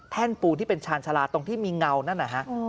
แท่นปูที่เป็นชาญชาลาตรงที่มีเงานั่น